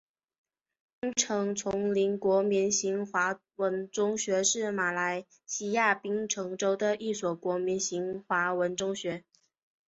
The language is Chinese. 槟城锺灵国民型华文中学是马来西亚槟城州的一所国民型华文中学。